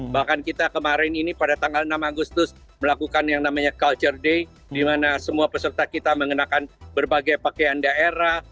bahkan kita kemarin ini pada tanggal enam agustus melakukan yang namanya culture day di mana semua peserta kita mengenakan berbagai pakaian daerah